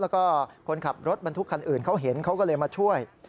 แล้วก็คนขับรถบรรทุกคันอื่นเขาเห็นเขาก็เลยมาช่วย